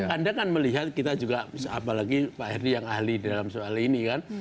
anda kan melihat kita juga apalagi pak heri yang ahli dalam soal ini kan